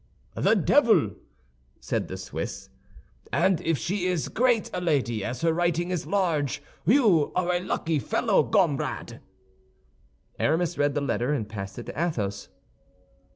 "The duvil!" said the Swiss, "if she is as great a lady as her writing is large, you are a lucky fellow, gomrade!" Aramis read the letter, and passed it to Athos.